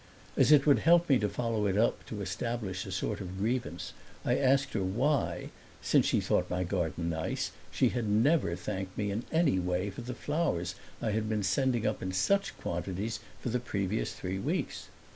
As it would help me to follow it up to establish a sort of grievance I asked her why, since she thought my garden nice, she had never thanked me in any way for the flowers I had been sending up in such quantities for the previous three weeks.